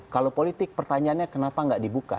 kalau politik pertanyaannya kenapa nggak dibuka